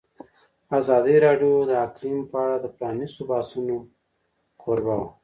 ازادي راډیو د اقلیم په اړه د پرانیستو بحثونو کوربه وه.